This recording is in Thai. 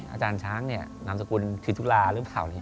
อาจารย์ช้างนามสกุลคือตุลาหรือเปล่า